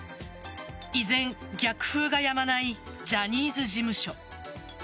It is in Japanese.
依然、逆風がやまないジャニーズ事務所。